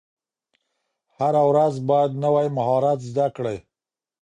هره ورځ باید نوی مهارت زده کړئ.